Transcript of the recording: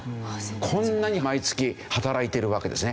こんなに毎月働いてるわけですね。